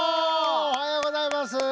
おはようございますどうも。